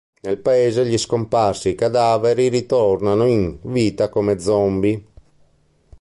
Nel paese gli scomparsi e i cadaveri ritornano in vita come zombie.